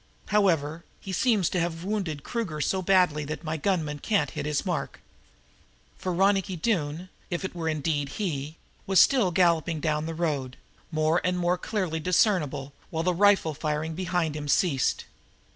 However, he seems to have wounded Kruger so badly that my gunman can't hit his mark." For Ronicky Doone, if it were indeed he, was still galloping down the road, more and more clearly discernible, while the rifle firing behind him ceased.